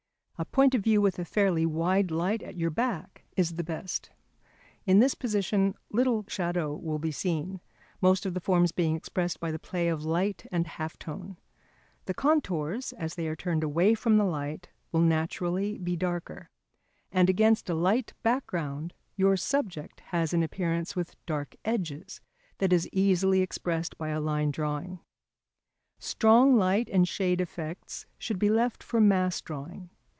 A point of view with a fairly wide light at your back is the best. In this position little shadow will be seen, most of the forms being expressed by the play of light and half tone. The contours, as they are turned away from the light, will naturally be darker, and against a light background your subject has an appearance with dark edges that is easily expressed by a line drawing. Strong light and shade effects should be left for mass drawing.